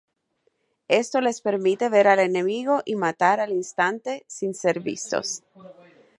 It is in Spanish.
Esto les permite ver al enemigo y matar al instante, sin ser vistos.